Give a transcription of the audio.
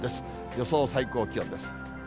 予想最高気温です。